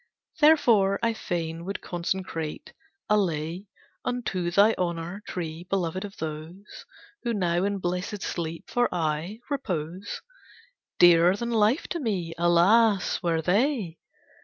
Therefore I fain would consecrate a lay Unto thy honour, Tree, beloved of those Who now in blessed sleep, for aye, repose, Dearer than life to me, alas! were they!